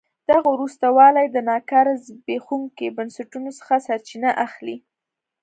دغه وروسته والی د ناکاره زبېښونکو بنسټونو څخه سرچینه اخلي.